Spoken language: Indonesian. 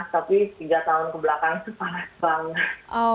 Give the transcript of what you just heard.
tapi tiga tahun kebelakangan sih panas banget